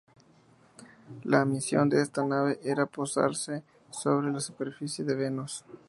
La misión de esta nave era posarse sobre la superficie de Venus.